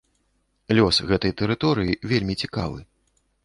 Лёс гэтай тэрыторыі вельмі цікавы.